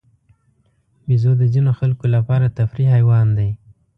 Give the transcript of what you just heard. بیزو د ځینو خلکو لپاره تفریحي حیوان دی.